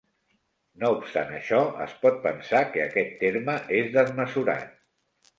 No obstant això, es pot pensar que aquest terme és desmesurat.